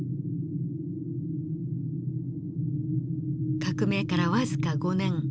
革命から僅か５年。